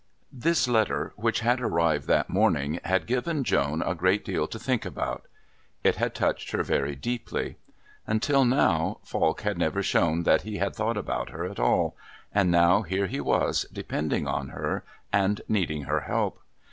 This letter, which had arrived that morning, had given Joan a great deal to think about. It had touched her very deeply. Until now Falk had never shown that he had thought about her at all, and now here he was depending on her and needing her help.